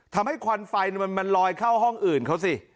ควันไฟมันลอยเข้าห้องอื่นเขาสิ